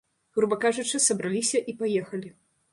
Груба кажучы, сабраліся і паехалі.